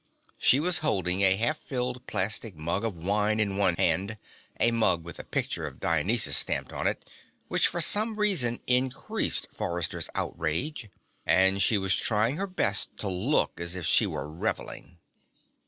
She was holding a half filled plastic mug of wine in one hand a mug with the picture of Dionysus stamped on it, which for some reason increased Forrester's outrage and she was trying her best to look as if she were reveling.